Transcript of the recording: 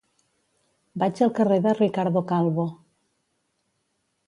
Vaig al carrer de Ricardo Calvo.